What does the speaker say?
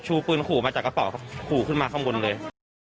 ปืนขู่มาจากกระเป๋าขู่ขึ้นมาข้างบนเลย